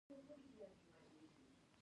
يې څومره په فکرونو تيارې خورې شوي دي.